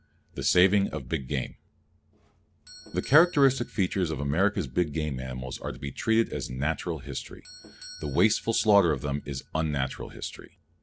The Saving of Big Game The characteristic features of America's big game animals are to be treated as natural history. The wasteful slaughter of them is unnatural history.